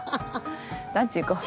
ランチ行こう。